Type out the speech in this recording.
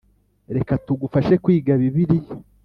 Reka tugufashe kwiga Bibiliya